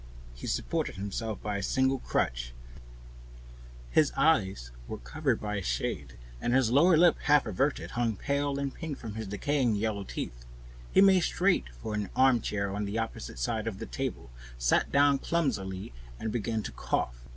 He supported himself by the help of a crutch, his eyes were covered by a shade, and his lower lip, half averted, hung pale and pink from his decaying yellow teeth. He made straight for an armchair on the opposite side of the table, sat down clumsily, and began to cough.